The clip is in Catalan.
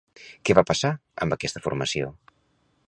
Què va passar amb aquesta formació?